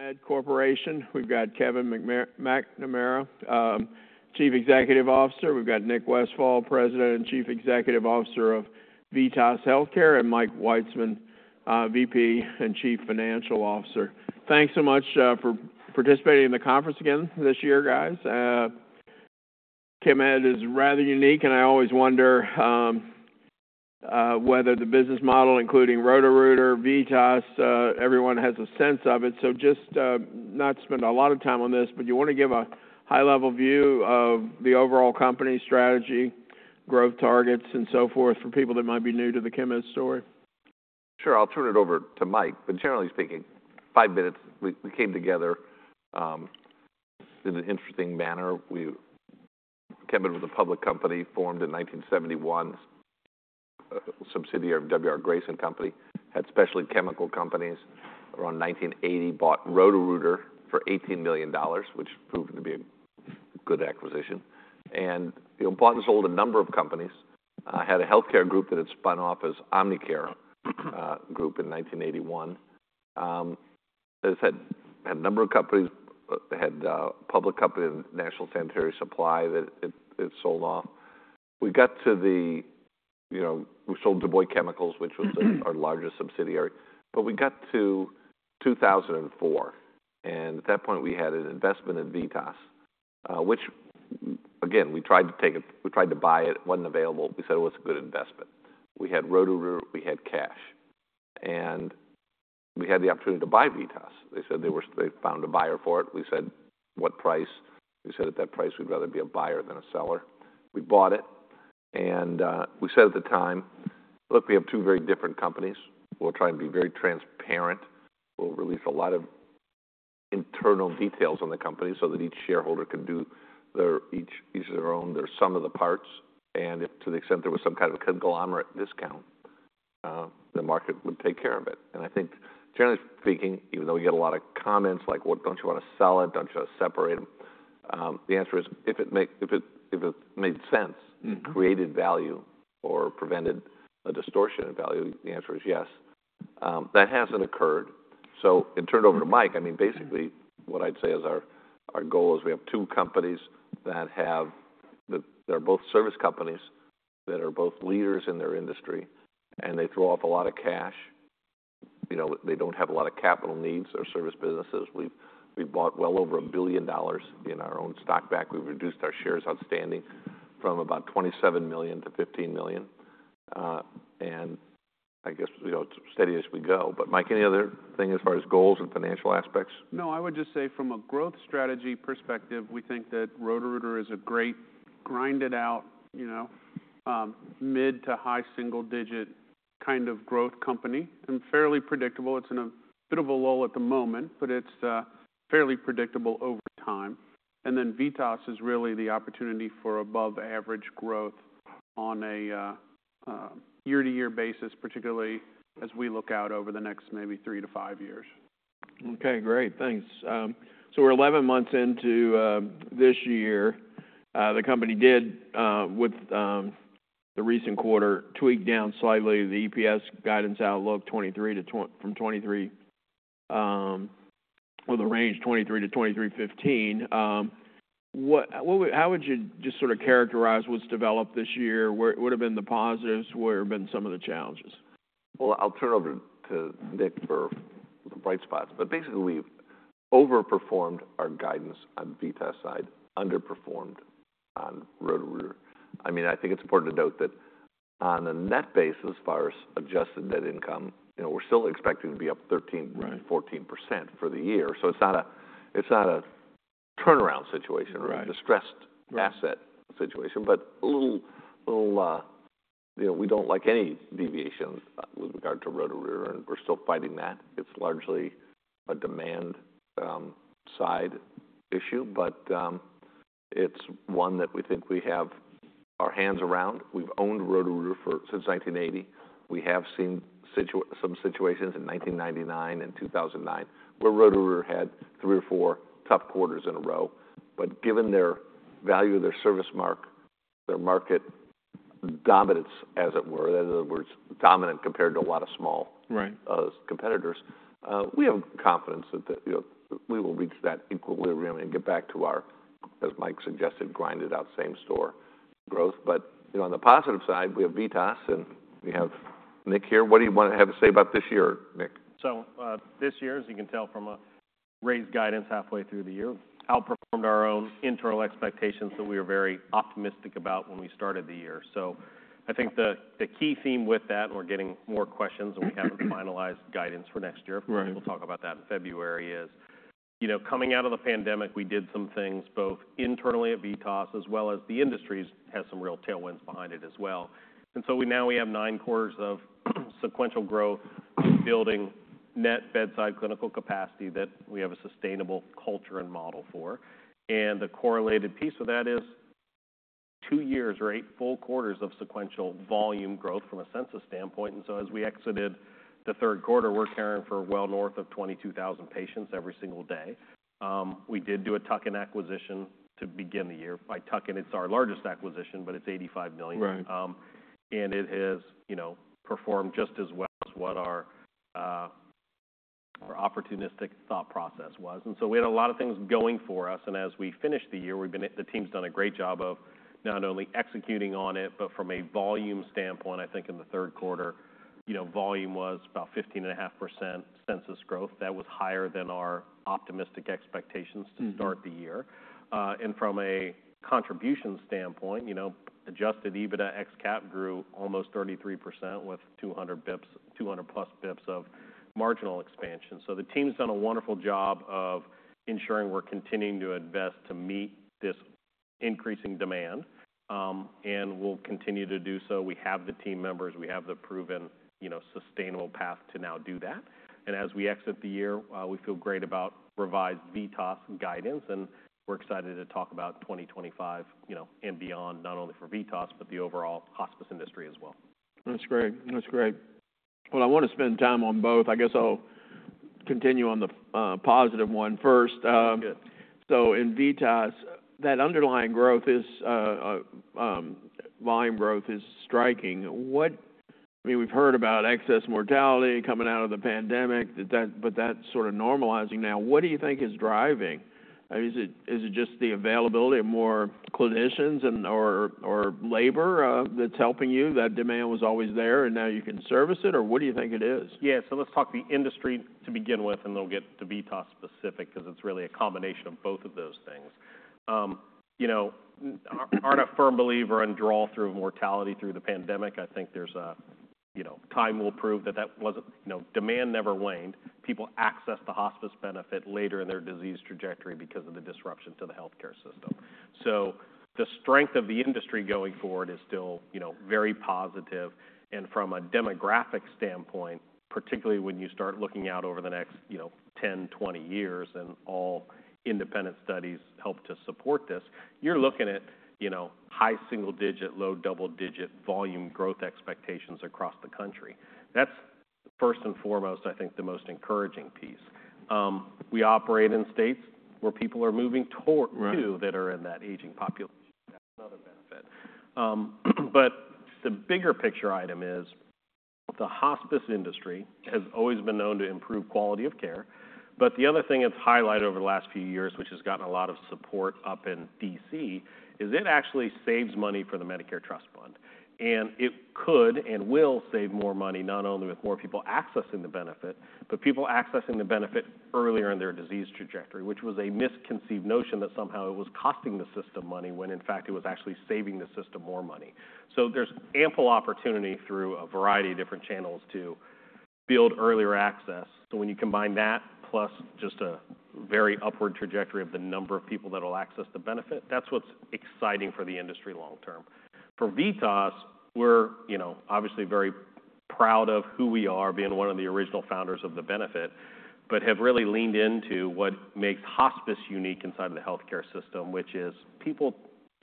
Chemed Corporation. We've got Kevin McNamara, Chief Executive Officer. We've got Nick Westfall, President and Chief Executive Officer of VITAS Healthcare, and Mike Witzeman, VP and Chief Financial Officer. Thanks so much for participating in the conference again this year, guys. Chemed is rather unique, and I always wonder whether the business model, including Roto-Rooter, VITAS, everyone has a sense of it. So just not to spend a lot of time on this, but you want to give a high-level view of the overall company strategy, growth targets, and so forth for people that might be new to the Chemed story. Sure. I'll turn it over to Mike, but generally speaking, five minutes, we came together in an interesting manner. Chemed was a public company formed in 1971, subsidiary of W. R. Grace & Co. Had specialty chemical companies. Around 1980, bought Roto-Rooter for $18 million, which proved to be a good acquisition, and built and sold a number of companies. Had a healthcare group that had spun off as Omnicare in 1981. Has had a number of companies. Had a public company in National Sanitary Supply that it sold off. We got to where we sold DuBois Chemicals, which was our largest subsidiary, but we got to 2004, and at that point, we had an investment in VITAS, which, again, we tried to take it. We tried to buy it. It wasn't available. We said it was a good investment. We had Roto-Rooter. We had cash. We had the opportunity to buy VITAS. They said they found a buyer for it. We said, "What price?" We said at that price, we'd rather be a buyer than a seller. We bought it. We said at the time, "Look, we have two very different companies. We'll try and be very transparent. We'll release a lot of internal details on the company so that each shareholder can do their own sum of the parts. To the extent there was some kind of conglomerate discount, the market would take care of it." I think, generally speaking, even though we get a lot of comments like, "Well, don't you want to sell it? Don't you want to separate them?" The answer is, if it made sense and created value or prevented a distortion in value, the answer is yes. That hasn't occurred. So it turned over to Mike. I mean, basically, what I'd say is our goal is we have two companies that have they're both service companies that are both leaders in their industry, and they throw off a lot of cash. They don't have a lot of capital needs. They're service businesses. We've bought well over $1 billion in our own stock back. We've reduced our shares outstanding from about 27 million to 15 million, and I guess steady as we go, but Mike, any other thing as far as goals and financial aspects? No, I would just say from a growth strategy perspective, we think that Roto-Rooter is a great grind-it-out, mid to high single-digit kind of growth company, and fairly predictable. It's in a bit of a lull at the moment, but it's fairly predictable over time, and then VITAS is really the opportunity for above-average growth on a year-to-year basis, particularly as we look out over the next maybe three to five years. Okay. Great. Thanks. So we're 11 months into this year. The company did, with the recent quarter, tweak down slightly the EPS guidance outlook with a range $23-$23.15. How would you just sort of characterize what's developed this year? What have been the positives? What have been some of the challenges? Well, I'll turn over to Nick for the bright spots. But basically, we've overperformed our guidance on VITAS side, underperformed on Roto-Rooter. I mean, I think it's important to note that on a net basis as far as adjusted net income, we're still expecting to be up 13%, 14% for the year. So it's not a turnaround situation. We're in a distressed asset situation, but a little we don't like any deviation with regard to Roto-Rooter, and we're still fighting that. It's largely a demand-side issue, but it's one that we think we have our hands around. We've owned Roto-Rooter since 1980. We have seen some situations in 1999 and 2009 where Roto-Rooter had three or four tough quarters in a row. But given the value of their service mark, their market dominance, as it were, in other words, dominant compared to a lot of small competitors, we have confidence that we will reach that equilibrium and get back to our, as Mike suggested, grind-it-out, same-store growth. But on the positive side, we have VITAS, and we have Nick here. What do you want to have to say about this year, Nick? This year, as you can tell from a raised guidance halfway through the year, we outperformed our own internal expectations that we were very optimistic about when we started the year. So I think the key theme with that, and we're getting more questions, and we haven't finalized guidance for next year. We'll talk about that in February, is coming out of the pandemic. We did some things both internally at VITAS as well as the industry has some real tailwinds behind it as well. And so now we have nine quarters of sequential growth, building net bedside clinical capacity that we have a sustainable culture and model for. And the correlated piece of that is two years or eight full quarters of sequential volume growth from a census standpoint. And so as we exited the third quarter, we're caring for well north of 22,000 patients every single day. We did do a tuck-in acquisition to begin the year. A tuck-in, it's our largest acquisition, but it's $85 million, and it has performed just as well as what our opportunistic thought process was, and so we had a lot of things going for us, and as we finished the year, the team's done a great job of not only executing on it, but from a volume standpoint, I think in the third quarter, volume was about 15.5% census growth. That was higher than our optimistic expectations to start the year, and from a contribution standpoint, adjusted EBITDA ex-cap grew almost 33% with 200-plus basis points of marginal expansion, so the team's done a wonderful job of ensuring we're continuing to invest to meet this increasing demand, and we'll continue to do so. We have the team members. We have the proven sustainable path to now do that. As we exit the year, we feel great about revised VITAS guidance. We're excited to talk about 2025 and beyond, not only for VITAS, but the overall hospice industry as well. That's great. That's great. Well, I want to spend time on both. I guess I'll continue on the positive one first. So in VITAS, that underlying growth is volume growth is striking. I mean, we've heard about excess mortality coming out of the pandemic, but that's sort of normalizing now. What do you think is driving? Is it just the availability of more clinicians or labor that's helping you? That demand was always there, and now you can service it? Or what do you think it is? Yeah, so let's talk the industry to begin with, and then we'll get to VITAS specific because it's really a combination of both of those things. I'm a firm believer in draw-through of mortality through the pandemic. I think time will prove that demand never waned. People access the hospice benefit later in their disease trajectory because of the disruption to the healthcare system. So the strength of the industry going forward is still very positive. And from a demographic standpoint, particularly when you start looking out over the next 10, 20 years, and all independent studies help to support this, you're looking at high single-digit, low double-digit volume growth expectations across the country. That's first and foremost, I think, the most encouraging piece. We operate in states where people are moving to that are in that aging population. That's another benefit. But the bigger picture item is the hospice industry has always been known to improve quality of care. But the other thing it's highlighted over the last few years, which has gotten a lot of support up in DC, is it actually saves money for the Medicare Trust Fund. And it could and will save more money, not only with more people accessing the benefit, but people accessing the benefit earlier in their disease trajectory, which was a misconceived notion that somehow it was costing the system money when, in fact, it was actually saving the system more money. So there's ample opportunity through a variety of different channels to build earlier access. So when you combine that plus just a very upward trajectory of the number of people that will access the benefit, that's what's exciting for the industry long term. For VITAS, we're obviously very proud of who we are, being one of the original founders of the benefit, but have really leaned into what makes hospice unique inside of the healthcare system, which is people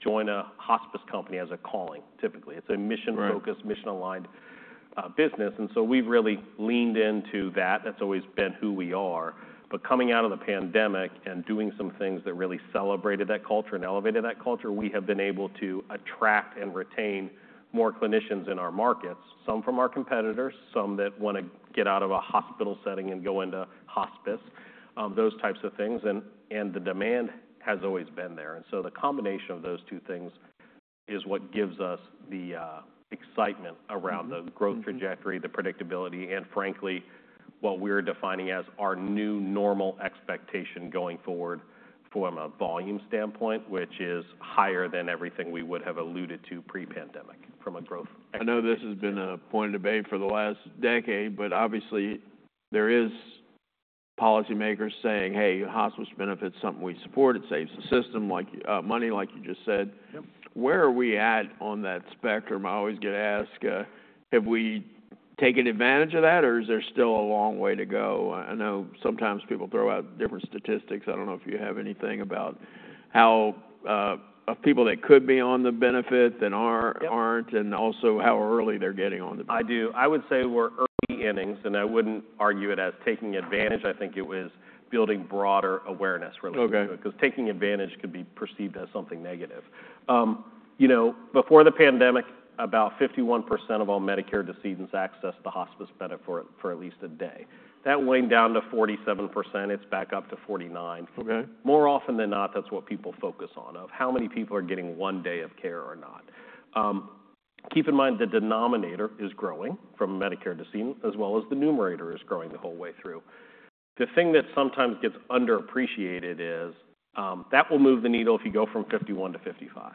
join a hospice company as a calling, typically. It's a mission-focused, mission-aligned business, and so we've really leaned into that. That's always been who we are, but coming out of the pandemic and doing some things that really celebrated that culture and elevated that culture, we have been able to attract and retain more clinicians in our markets, some from our competitors, some that want to get out of a hospital setting and go into hospice, those types of things, and the demand has always been there. And so the combination of those two things is what gives us the excitement around the growth trajectory, the predictability, and frankly, what we're defining as our new normal expectation going forward from a volume standpoint, which is higher than everything we would have alluded to pre-pandemic from a growth. I know this has been a point of debate for the last decade, but obviously, there are policymakers saying, "Hey, hospice benefit's something we support. It saves the system money," like you just said. Where are we at on that spectrum? I always get asked, have we taken advantage of that, or is there still a long way to go? I know sometimes people throw out different statistics. I don't know if you have anything about how people that could be on the benefit that aren't, and also how early they're getting on the benefit. I do. I would say we're early innings, and I wouldn't argue it as taking advantage. I think it was building broader awareness related to it because taking advantage could be perceived as something negative. Before the pandemic, about 51% of all Medicare decedents accessed the hospice benefit for at least a day. That waned down to 47%. It's back up to 49%. More often than not, that's what people focus on, of how many people are getting one day of care or not. Keep in mind the denominator is growing from Medicare decedents, as well as the numerator is growing the whole way through. The thing that sometimes gets underappreciated is that will move the needle if you go from 51 to 55.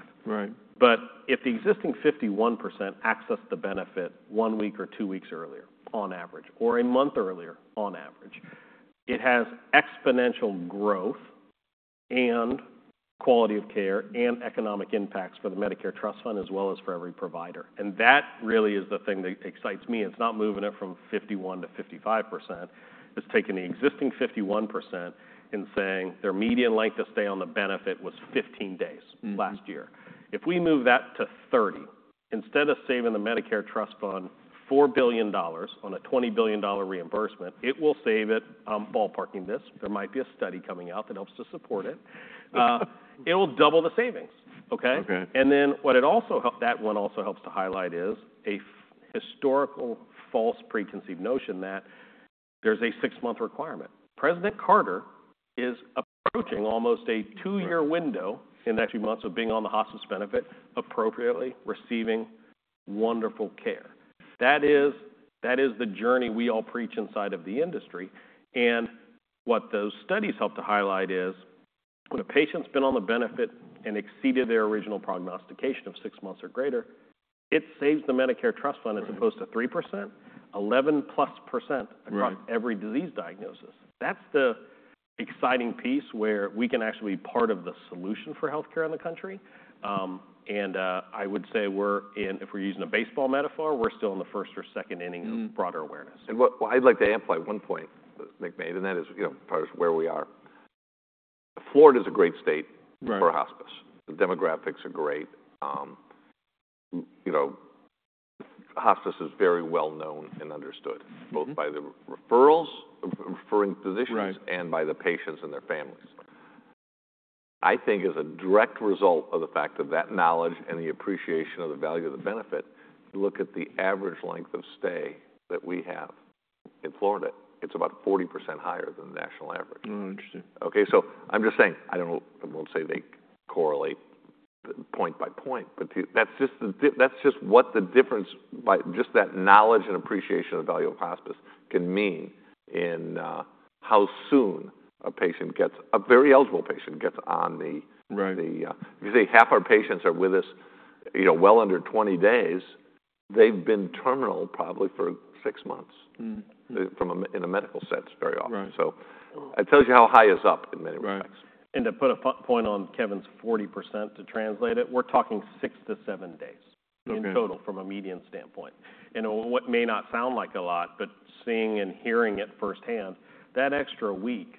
If the existing 51% access the benefit one week or two weeks earlier on average, or a month earlier on average, it has exponential growth and quality of care and economic impacts for the Medicare Trust Fund as well as for every provider. That really is the thing that excites me. It's not moving it from 51% to 55%. It's taking the existing 51% and saying their median length of stay on the benefit was 15 days last year. If we move that to 30, instead of saving the Medicare Trust Fund $4 billion on a $20 billion reimbursement, it will save it, ballparking this. There might be a study coming out that helps to support it. It'll double the savings. Okay? What it also helps to highlight is a historical false preconceived notion that there's a six-month requirement. President Carter is approaching almost a two-year window in the next few months of being on the hospice benefit, appropriately receiving wonderful care. That is the journey we all preach inside of the industry, and what those studies help to highlight is when a patient's been on the benefit and exceeded their original prognostication of six months or greater, it saves the Medicare Trust Fund as opposed to 3%, 11-plus% every disease diagnosis. That's the exciting piece where we can actually be part of the solution for healthcare in the country, and I would say if we're using a baseball metaphor, we're still in the first or second inning of broader awareness, and I'd like to amplify one point Nick made, and that is part of where we are. Florida is a great state for hospice. The demographics are great. Hospice is very well known and understood, both by the referring physicians and by the patients and their families. I think as a direct result of the fact of that knowledge and the appreciation of the value of the benefit, look at the average length of stay that we have in Florida. It's about 40% higher than the national average. Okay? So I'm just saying, I won't say they correlate point by point, but that's just what the difference by just that knowledge and appreciation of the value of hospice can mean in how soon a patient gets, a very eligible patient gets on the if you say half our patients are with us well under 20 days, they've been terminal probably for six months in a medical sense very often. So it tells you how high it's up in many respects. And to put a point on Kevin's 40%, to translate it, we're talking six to seven days in total from a median standpoint. And what may not sound like a lot, but seeing and hearing it firsthand, that extra week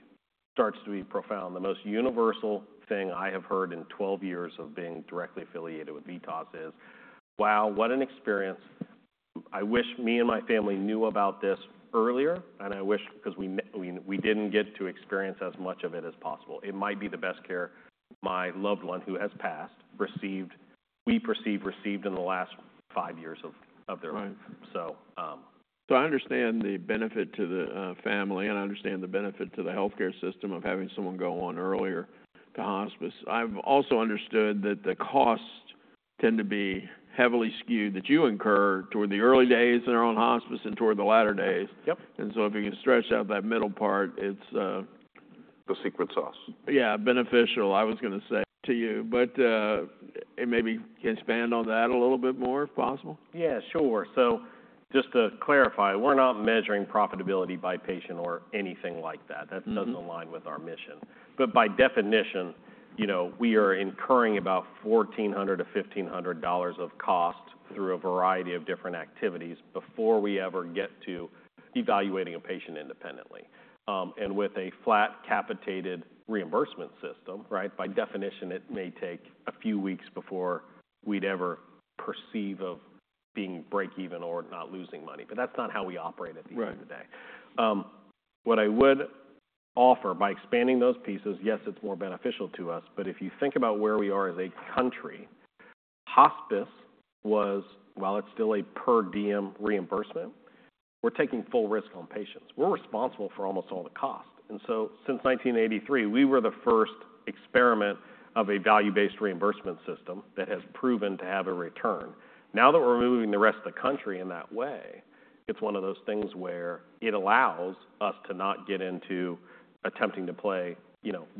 starts to be profound. The most universal thing I have heard in 12 years of being directly affiliated with VITAS is, "Wow, what an experience." I wish me and my family knew about this earlier, and I wish, because we didn't get to experience as much of it as possible. It might be the best care my loved one who has passed received, we perceive, received in the last five years of their life. So I understand the benefit to the family, and I understand the benefit to the healthcare system of having someone go on earlier to hospice. I've also understood that the costs tend to be heavily skewed that you incur toward the early days and are on hospice and toward the latter days. And so if you can stretch out that middle part, it's. The secret sauce. Yeah, beneficial. I was going to say to you, but maybe you can expand on that a little bit more if possible. Yeah, sure. So just to clarify, we're not measuring profitability by patient or anything like that. That doesn't align with our mission. But by definition, we are incurring about $1,400-$1,500 of cost through a variety of different activities before we ever get to evaluating a patient independently. And with a flat capitated reimbursement system, right, by definition, it may take a few weeks before we'd ever perceive of being break-even or not losing money. But that's not how we operate at the end of the day. What I would offer by expanding those pieces, yes, it's more beneficial to us. But if you think about where we are as a country, hospice was, while it's still a per diem reimbursement, we're taking full risk on patients. We're responsible for almost all the cost. And so since 1983, we were the first experiment of a value-based reimbursement system that has proven to have a return. Now that we're moving the rest of the country in that way, it's one of those things where it allows us to not get into attempting to play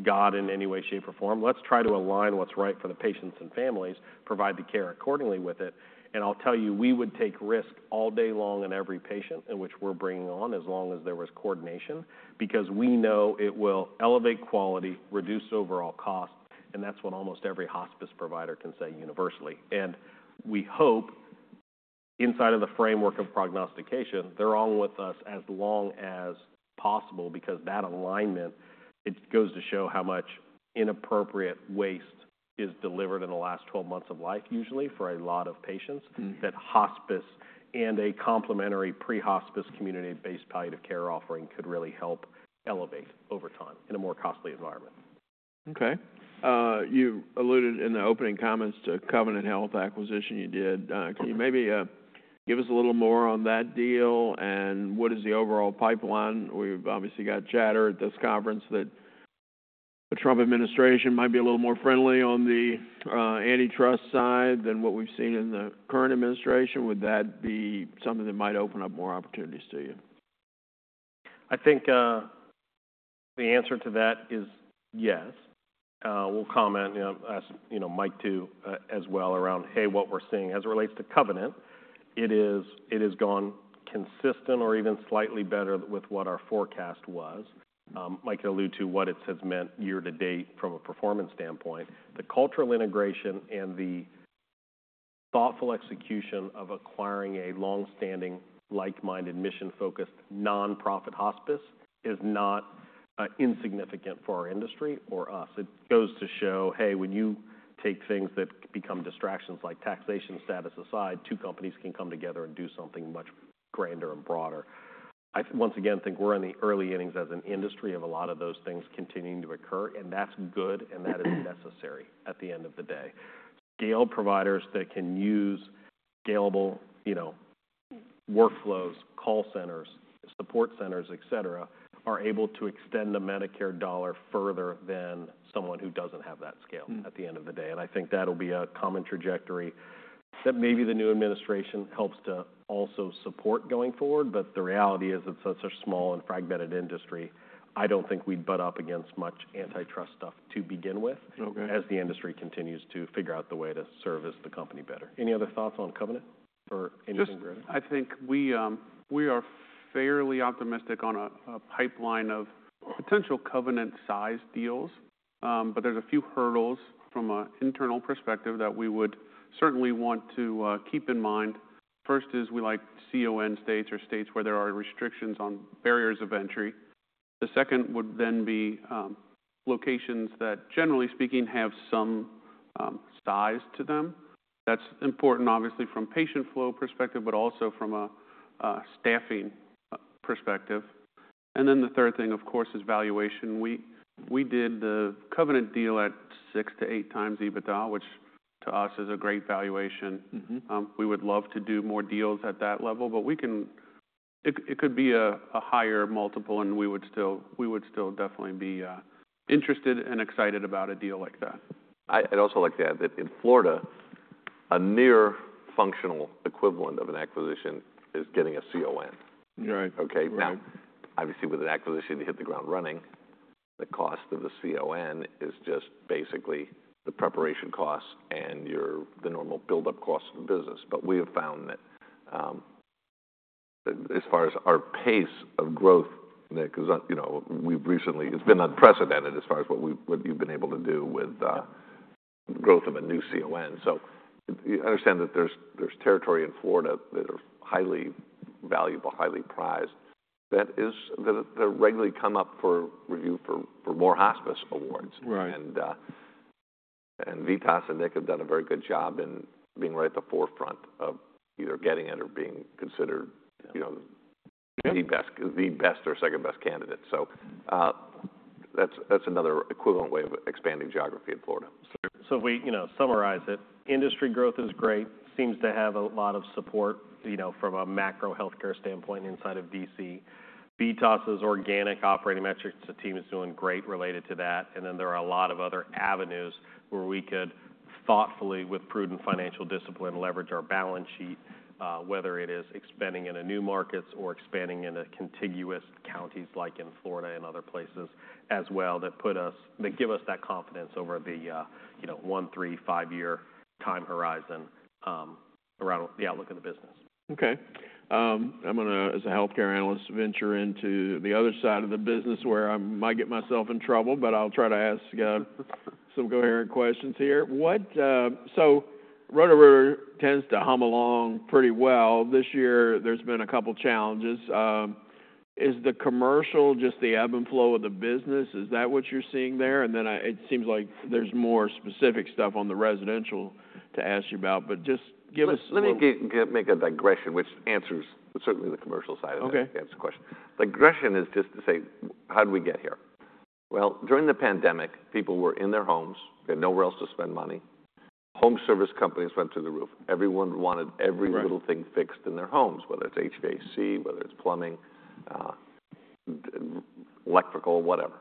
God in any way, shape, or form. Let's try to align what's right for the patients and families, provide the care accordingly with it. And I'll tell you, we would take risk all day long on every patient in which we're bringing on as long as there was coordination because we know it will elevate quality, reduce overall cost, and that's what almost every hospice provider can say universally. We hope inside of the framework of prognostication, they're on with us as long as possible because that alignment, it goes to show how much inappropriate waste is delivered in the last 12 months of life, usually for a lot of patients, that hospice and a complementary pre-hospice community-based palliative care offering could really help elevate over time in a more costly environment. Okay. You alluded in the opening comments to Covenant Health acquisition you did. Can you maybe give us a little more on that deal and what is the overall pipeline? We've obviously got chatter at this conference that the Trump administration might be a little more friendly on the antitrust side than what we've seen in the current administration. Would that be something that might open up more opportunities to you? I think the answer to that is yes. We'll comment, ask Mike too, as well around, "Hey, what we're seeing." As it relates to Covenant, it has gone consistent or even slightly better with what our forecast was. Mike alluded to what it has meant year to date from a performance standpoint. The cultural integration and the thoughtful execution of acquiring a long-standing, like-minded, mission-focused nonprofit hospice is not insignificant for our industry or us. It goes to show, "Hey, when you take things that become distractions, like taxation status aside, two companies can come together and do something much grander and broader." I once again think we're in the early innings as an industry of a lot of those things continuing to occur, and that's good, and that is necessary at the end of the day. Scaled providers that can use scalable workflows, call centers, support centers, etc., are able to extend the Medicare dollar further than someone who doesn't have that scale at the end of the day. And I think that'll be a common trajectory that maybe the new administration helps to also support going forward. But the reality is it's such a small and fragmented industry. I don't think we'd butt up against much antitrust stuff to begin with as the industry continues to figure out the way to service the company better. Any other thoughts on Covenant for anything further? I think we are fairly optimistic on a pipeline of potential Covenant-sized deals, but there's a few hurdles from an internal perspective that we would certainly want to keep in mind. First is we like CON states or states where there are restrictions on barriers of entry. The second would then be locations that, generally speaking, have some size to them. That's important, obviously, from patient flow perspective, but also from a staffing perspective. And then the third thing, of course, is valuation. We did the Covenant deal at six to eight times EBITDA, which to us is a great valuation. We would love to do more deals at that level, but it could be a higher multiple, and we would still definitely be interested and excited about a deal like that. I'd also like to add that in Florida, a near-functional equivalent of an acquisition is getting a CON. Okay? Now, obviously, with an acquisition, you hit the ground running. The cost of the CON is just basically the preparation costs and the normal buildup cost of the business. But we have found that as far as our pace of growth, Nick, because we've recently, it's been unprecedented as far as what you've been able to do with the growth of a new CON. So I understand that there's territory in Florida that are highly valuable, highly prized. They're regularly come up for review for more hospice awards. And Vitas and Nick have done a very good job in being right at the forefront of either getting it or being considered the best or second-best candidate. So that's another equivalent way of expanding geography in Florida. So if we summarize it, industry growth is great, seems to have a lot of support from a macro healthcare standpoint inside of DC. VITAS' organic operating metrics, the team is doing great related to that. And then there are a lot of other avenues where we could thoughtfully, with prudent financial discipline, leverage our balance sheet, whether it is expanding into new markets or expanding into contiguous counties like in Florida and other places as well that give us that confidence over the one, three, five-year time horizon around the outlook of the business. Okay. I'm going to, as a healthcare analyst, venture into the other side of the business where I might get myself in trouble, but I'll try to ask some coherent questions here. So Roto-Rooter tends to hum along pretty well. This year, there's been a couple of challenges. Is the commercial just the ebb and flow of the business? Is that what you're seeing there? And then it seems like there's more specific stuff on the residential to ask you about. But just give us. Let me make a digression, which answers certainly the commercial side of that question. Digression is just to say, how did we get here? During the pandemic, people were in their homes. They had nowhere else to spend money. Home service companies went to the roof. Everyone wanted every little thing fixed in their homes, whether it's HVAC, whether it's plumbing, electrical, whatever.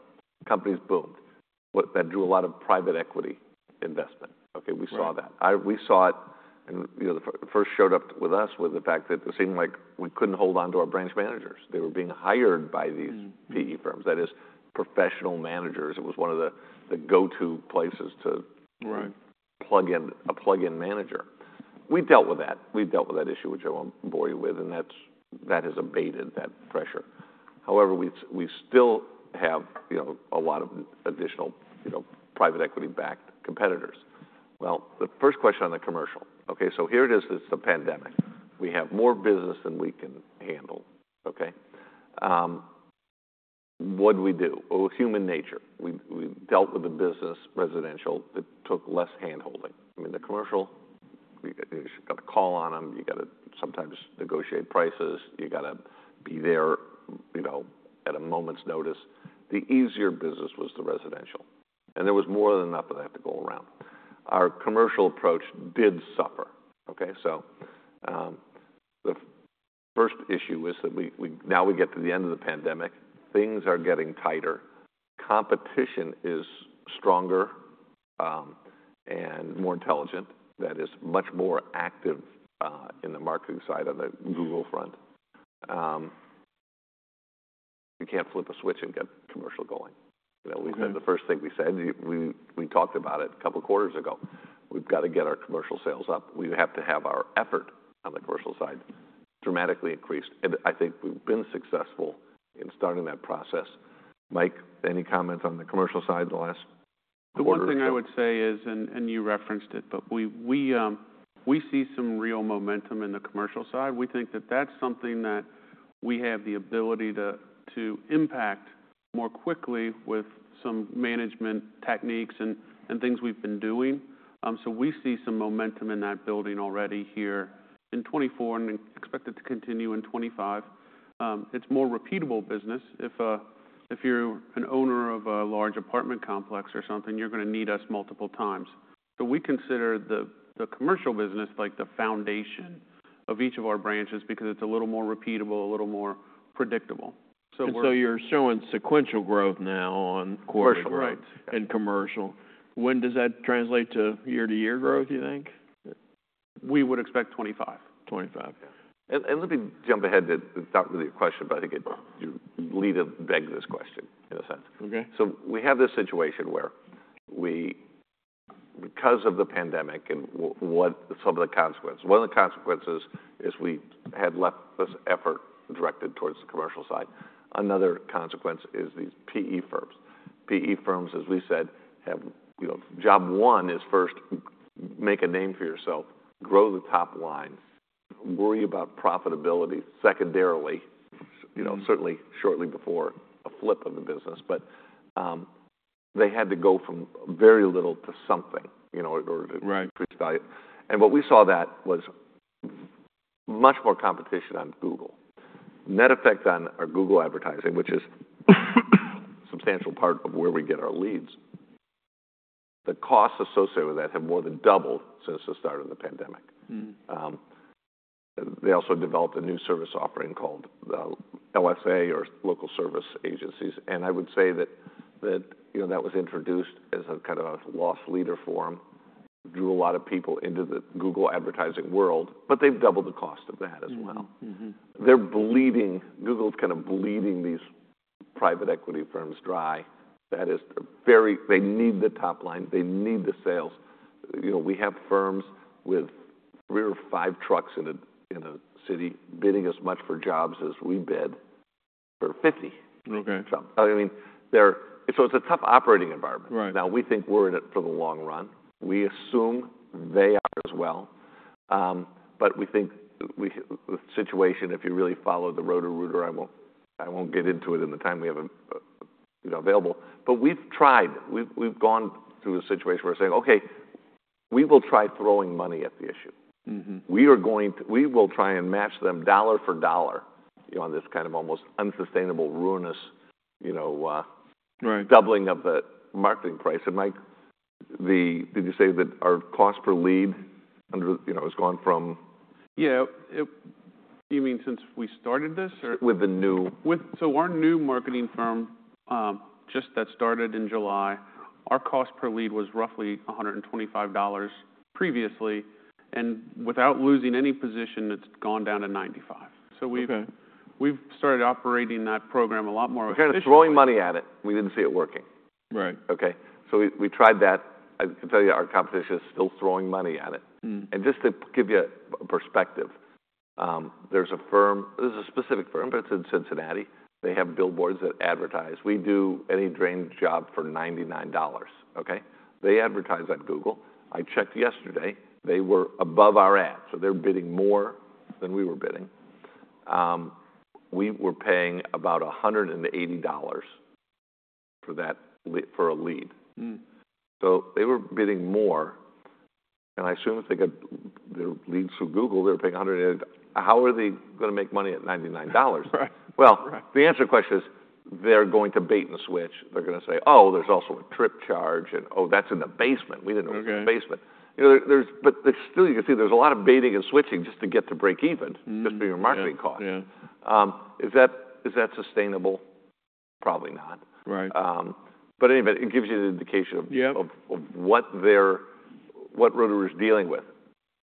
Companies boomed. That drew a lot of private equity investment. Okay? We saw that. We saw it, and first showed up with us was the fact that it seemed like we couldn't hold on to our branch managers. They were being hired by these PE firms. That is professional managers. It was one of the go-to places to plug in a plug-in manager. We dealt with that. We dealt with that issue, which I won't bore you with, and that has abated that pressure. However, we still have a lot of additional private equity-backed competitors. Well, the first question on the commercial, okay, so here it is, it's the pandemic. We have more business than we can handle. Okay? What do we do? Human nature. We dealt with the business residential that took less hand-holding. I mean, the commercial, you got to call on them. You got to sometimes negotiate prices. You got to be there at a moment's notice. The easier business was the residential. And there was more than enough of that to go around. Our commercial approach did suffer. Okay? So the first issue is that now we get to the end of the pandemic. Things are getting tighter. Competition is stronger and more intelligent. That is much more active in the marketing side on the Google front. You can't flip a switch and get commercial going. We said the first thing we said, we talked about it a couple of quarters ago. We've got to get our commercial sales up. We have to have our effort on the commercial side dramatically increased. And I think we've been successful in starting that process. Mike, any comments on the commercial side in the last two quarters? One thing I would say is, and you referenced it, but we see some real momentum in the commercial side. We think that that's something that we have the ability to impact more quickly with some management techniques and things we've been doing. So we see some momentum in that building already here in 2024 and expect it to continue in 2025. It's more repeatable business. If you're an owner of a large apartment complex or something, you're going to need us multiple times. So we consider the commercial business like the foundation of each of our branches because it's a little more repeatable, a little more predictable. So we're. So you're showing sequential growth now on commercial. Commercial, right. And commercial. When does that translate to year-to-year growth, do you think? We would expect 2025. '25. And let me jump ahead to talk to your question, but I think you need to beg the question in a sense. So we have this situation where we, because of the pandemic and some of the consequences, one of the consequences is we had left this effort directed towards the commercial side. Another consequence is these PE firms. PE firms, as we said, have job one is first make a name for yourself, grow the top line, worry about profitability secondarily, certainly shortly before a flip of the business. But they had to go from very little to something in order to increase value. And what we saw that was much more competition on Google, net effect on our Google advertising, which is a substantial part of where we get our leads, the costs associated with that have more than doubled since the start of the pandemic. They also developed a new service offering called LSA or Local Service Agencies, and I would say that that was introduced as a kind of a loss leader forum, drew a lot of people into the Google advertising world, but they've doubled the cost of that as well. They're bleeding. Google's kind of bleeding these private equity firms dry. That is very, they need the top line. They need the sales. We have firms with three or five trucks in a city bidding as much for jobs as we bid for 50. I mean, so it's a tough operating environment. Now, we think we're in it for the long run. We assume they are as well, but we think the situation, if you really follow the Roto-Rooter, I won't get into it in the time we have available, but we've tried. We've gone through a situation where we're saying, "Okay, we will try throwing money at the issue. We will try and match them dollar for dollar on this kind of almost unsustainable, ruinous doubling of the marketing price." And Mike, did you say that our cost per lead has gone from? Yeah. You mean since we started this or? With the new. Our new marketing firm that just started in July, our cost per lead was roughly $125 previously. Without losing any position, it's gone down to $95. We've started operating that program a lot more efficiently. We're kind of throwing money at it. We didn't see it working, okay? So we tried that. I can tell you our competition is still throwing money at it, and just to give you a perspective, there's a firm, this is a specific firm, but it's in Cincinnati. They have billboards that advertise. We do any drain job for $99, okay? They advertise on Google. I checked yesterday. They were above our ad, so they're bidding more than we were bidding. We were paying about $180 for a lead, so they were bidding more, and I assume if they got their leads through Google, they were paying $180. How are they going to make money at $99? Well, the answer to the question is they're going to bait and switch. They're going to say, "Oh, there's also a trip charge. And oh, that's in the basement. We didn't know it was in the basement." But still, you can see there's a lot of bait and switch just to get to break even, just for your marketing cost. Is that sustainable? Probably not. But anyway, it gives you an indication of what Roto-Rooter is dealing with.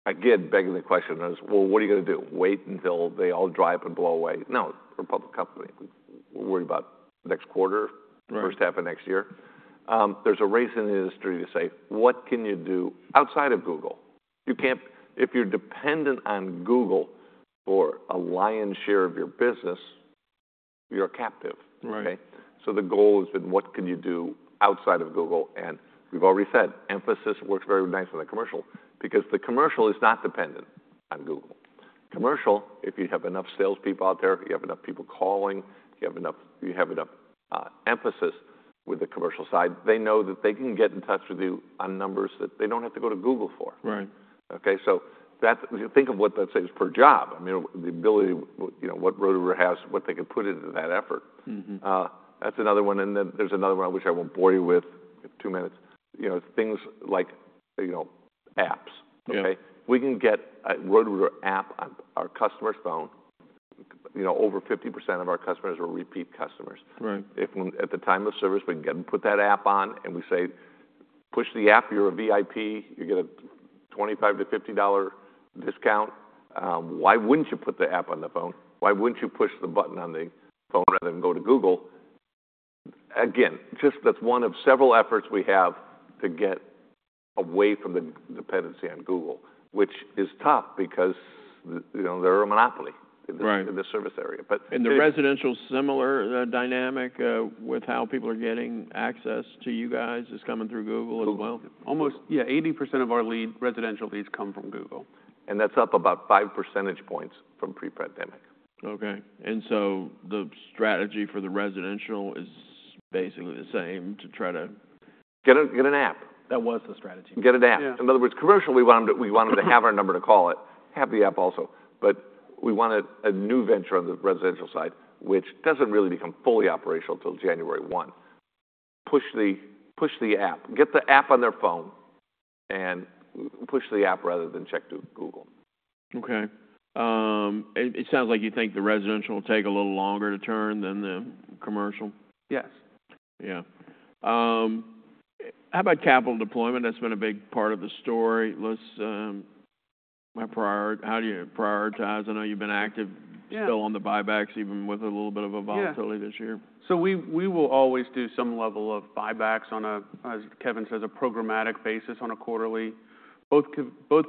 Again, begging the question is, "Well, what are you going to do? Wait until they all dry up and blow away?" No, we're a public company. We're worried about next quarter, first half of next year. There's a race in the industry to say, "What can you do outside of Google?" If you're dependent on Google for a lion's share of your business, you're a captive. Okay? So the goal has been, "What can you do outside of Google?" And we've already said, emphasis works very nice on the commercial because the commercial is not dependent on Google. Commercial, if you have enough salespeople out there, you have enough people calling, you have enough emphasis with the commercial side, they know that they can get in touch with you on numbers that they don't have to go to Google for. Okay? So think of what that saves per job. I mean, the ability, what Roto-Rooter has, what they can put into that effort. That's another one. And then there's another one which I won't bore you with. Two minutes. Things like apps. Okay? We can get a Roto-Rooter app on our customer's phone. Over 50% of our customers are repeat customers. At the time of service, we can get them to put that app on and we say, "Push the app. You're a VIP. You get a $25-$50 discount. Why wouldn't you put the app on the phone? Why wouldn't you push the button on the phone rather than go to Google?" Again, just that's one of several efforts we have to get away from the dependency on Google, which is tough because they're a monopoly in the service area. The residential, similar dynamic with how people are getting access to you guys is coming through Google as well? Almost, yeah. 80% of our residential leads come from Google. That's up about five percentage points from pre-pandemic. Okay, and so the strategy for the residential is basically the same to try to. Get an app. That was the strategy. Get an app. In other words, commercial, we wanted to have our number to call it, have the app also. But we wanted a new venture on the residential side, which doesn't really become fully operational until January 1. Push the app. Get the app on their phone and push the app rather than check through Google. Okay. It sounds like you think the residential will take a little longer to turn than the commercial. Yes. Yeah. How about capital deployment? That's been a big part of the story. How do you prioritize? I know you've been active still on the buybacks, even with a little bit of a volatility this year. Yeah. So we will always do some level of buybacks on a, as Kevin says, a programmatic basis on a quarterly. Both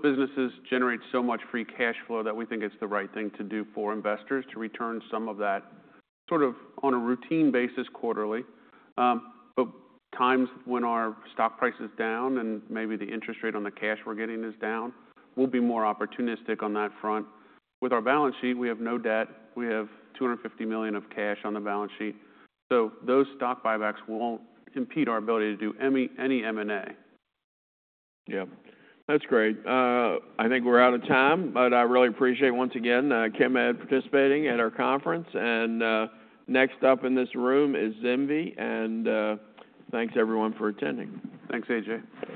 businesses generate so much free cash flow that we think it's the right thing to do for investors to return some of that sort of on a routine basis quarterly. But times when our stock price is down and maybe the interest rate on the cash we're getting is down, we'll be more opportunistic on that front. With our balance sheet, we have no debt. We have $250 million of cash on the balance sheet. So those stock buybacks won't impede our ability to do any M&A. Yep. That's great. I think we're out of time, but I really appreciate once again, Chemed, participating at our conference. And next up in this room is ZimVie. And thanks, everyone, for attending. Thanks, AJ.